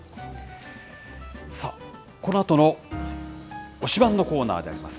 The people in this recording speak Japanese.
さあ、このあとの推しバン！のコーナーであります。